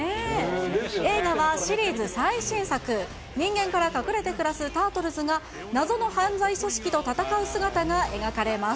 映画はシリーズ最新作、人間から隠れて暮らすタートルズが謎の犯罪組織と戦う姿が描かれます。